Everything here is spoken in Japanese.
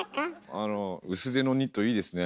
あの薄手のニットいいですね。